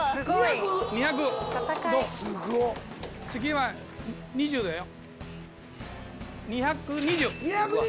次は２０だよ。